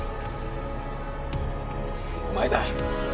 お前だ。